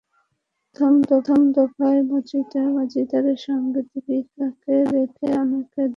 তবে প্রথম দফায় মাজিদ মাজিদির সঙ্গে দীপিকাকে দেখে অনেকে দ্বিধায় পড়ে গিয়েছিলেন।